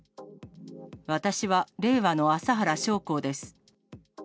私は令和の麻原彰晃です。